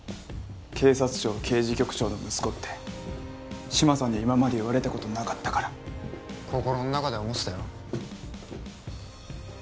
警察庁刑事局長の息子って志摩さんに今まで言われたことなかったから心の中では思ってたよ